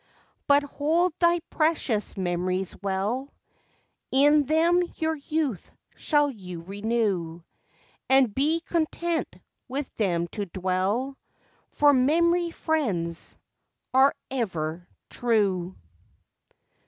But hold thy precious memories well, In them your youth shall you renew, And be content with them to dwell, For memory friends are ever true.